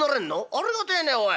ありがてえねおい。